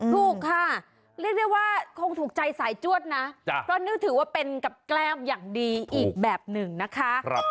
ถูกค่ะเรียกได้ว่าคงถูกใจสายจวดนะเพราะนึกถือว่าเป็นกับแก้มอย่างดีอีกแบบหนึ่งนะคะ